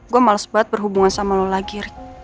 gue males banget berhubungan sama lo lagir